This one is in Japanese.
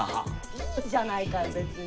いいじゃないかよ別に。